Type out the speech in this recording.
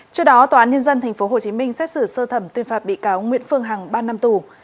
trước đó tòa án nhân dân tp hcm xét xử sơ thẩm tuyên phạt bị cáo nguyễn phương hằng ba năm tù